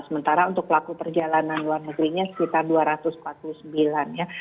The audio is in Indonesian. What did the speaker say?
sementara untuk pelaku perjalanan luar negerinya sekitar dua ratus empat puluh sembilan ya